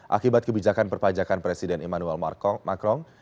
akibat kebijakan perpajakan presiden emmanuel macron